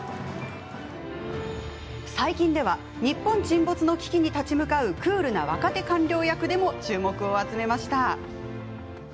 最近では日本沈没の危機に立ち向かうクールな若手官僚役でも注目を集めました。